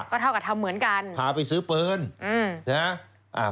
ก็เท่ากับทำเหมือนกันพาไปซื้อปืนอืมนะฮะ